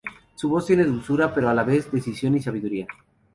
Su voz tiene dulzura, pero a la vez decisión y sabiduría.